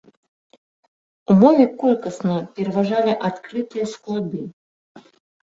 У мове колькасна пераважалі адкрытыя склады.